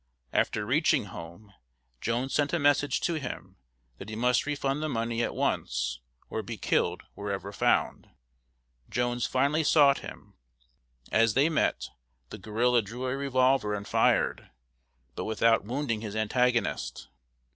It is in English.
After reaching home, Jones sent a message to him that he must refund the money at once, or be killed wherever found. Jones finally sought him. As they met, the guerrilla drew a revolver and fired, but without wounding his antagonist.